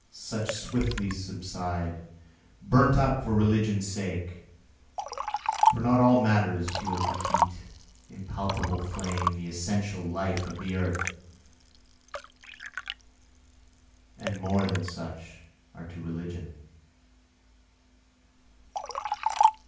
such swiftly subside, burnt up for religion's sake, For not all matter is fuel to heat, impalpable flame, the essential life of the earth, Any more than such are to religion.